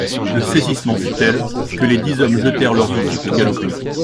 Le saisissement fut tel, que les dix hommes jetèrent leurs outils pour galoper.